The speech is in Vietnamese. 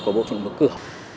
của bộ trưởng bộ cửa